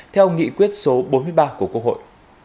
theo nghị quyết số bốn mươi ba của quốc hội